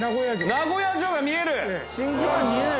名古屋城が見える！